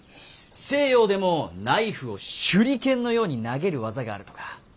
西洋でもナイフを手裏剣のように投げる技があるとか。